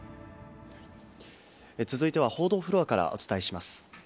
続いては報道フロアからお伝えします。